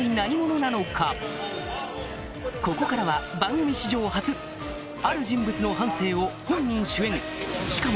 ここからは番組史上初ある人物の半生を本人主演しかも